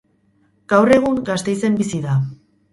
Gaur egun Gasteizen bizi da.